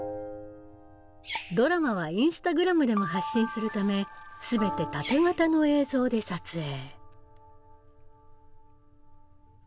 ドラマはインスタグラムでも発信するため全てタテ型の映像で撮影。